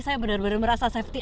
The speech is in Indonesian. saya benar benar merasa safety